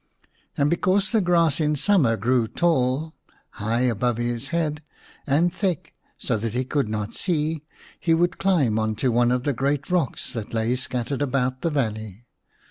And because the grass in summer grew tall, high above his head, and thick, so that he could not see, he would climb on to one of the great rocks that lay scattered about the valley.